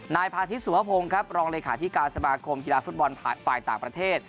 นายพาทิตยสุภพงศ์ครับรองเลขาธิการสมาคมกีฬาฟุตบอลฝ่ายต่างประเทศ